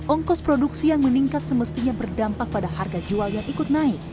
ongkos produksi yang meningkat semestinya berdampak pada harga jual yang ikut naik